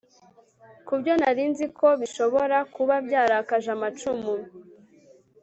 Kubyo nari nzi ko bishobora kuba byarakaje amacumu